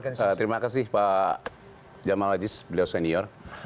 oke terima kasih pak jamal aziz beliau senior